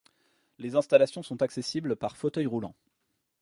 Les installations sont accessibles par fauteuil roulant.